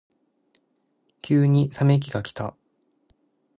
急に冷め期がきた。